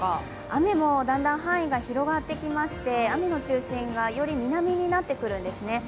雨もだんだん範囲が広がってきまして、雨の中心がより南になってくるんですね。